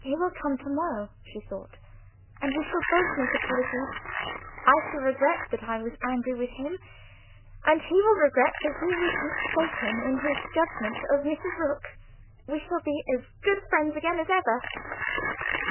"He will come to morrow," she thought; "and we shall both make apologies. I shall regret that I was angry with him and he will regret that he was mistaken in his judgment of Mrs. Rook. We shall be as good friends again as ever."